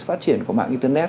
phát triển của mạng internet